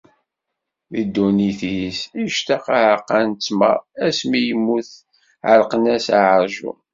Di ddunit-is ictaq aɛeqqa n ttmer; asmi i yemmut ɛelqen-as aɛerjun.